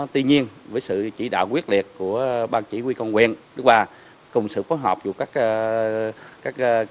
tuy nhiên với sự chỉ đạo quyết liệt của ban chỉ huy công quyền đức hòa cùng sự phối hợp giữa các cơ quan ở các ngành